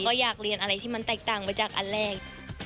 ก็อยากเรียนอะไรที่มันแตกต่างไปจากอันแรก